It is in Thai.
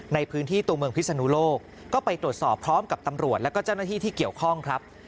ในพื้นที่ตัวเมืองพิศนุโลกก็ไปตรวจสอบพร้อมกับตำรวจแล้วก็เจ้าหน้าที่ที่เกี่ยวข้องครับ